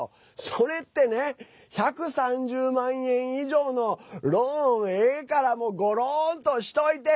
それってね、１３０万円以上のローン、ええからゴローンとしといて！